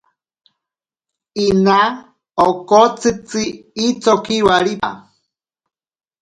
Ina okotsitzi itsoki waripa.